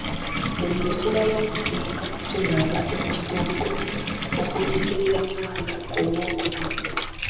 Buli lwe tumala okuziika tunaaba ekigogo okubikira mwana owookubiri.